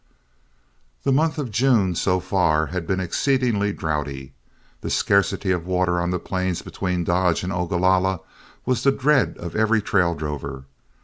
The month of June, so far, had been exceedingly droughty. The scarcity of water on the plains between Dodge and Ogalalla was the dread of every trail drover.